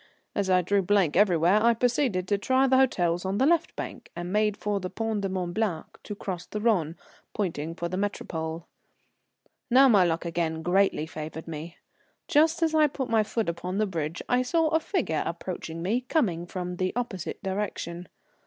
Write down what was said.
As I drew blank everywhere I proceeded to try the hotels on the left bank, and made for the Pont de Mont Blanc to cross the Rhone, pointing for the Metropole. Now my luck again greatly favoured me. Just as I put my foot upon the bridge I saw a figure approaching me, coming from the opposite direction.